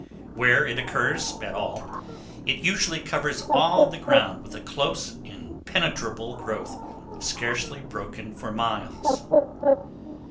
Where it occurs at all, it usually covers all the ground with a close, impenetrable growth, scarcely broken for miles.